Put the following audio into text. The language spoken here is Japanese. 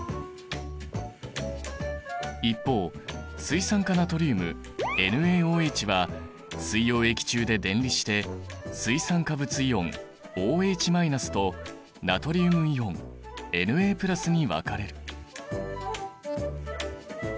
一方水酸化ナトリウムＮａＯＨは水溶液中で電離して水酸化物イオンＯＨとナトリウムイオンＮａに分かれる。